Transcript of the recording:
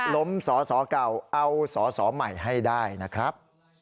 ล้มสอสอเก่าเอาสอสอใหม่ให้ได้นะครับ